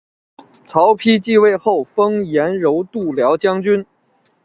曹丕即位后封阎柔度辽将军。